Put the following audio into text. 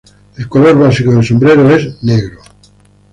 El color básico del sombrero es negro.